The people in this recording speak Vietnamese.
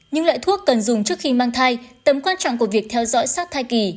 những loại thuốc cần dùng trước khi mang thai tấm quan trọng của việc theo dõi sát thai kỳ